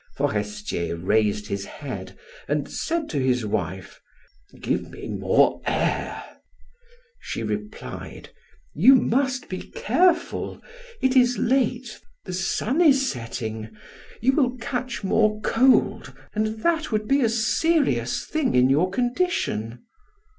Forestier raised his head and said to his wife: "Give me more air." She replied: "You must be careful; it is late, the sun is setting; you will catch more cold and that would be a serious thing in your condition."